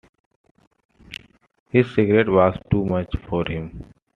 His secret was too much for him.